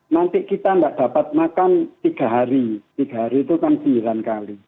nanti kita tidak dapat makan tiga hari tiga hari itu kan sembilan kali